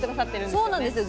そうなんですよ